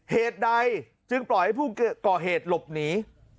เหตุใดจึงปล่อยให้ผู้ก่อเหตุหลบหนี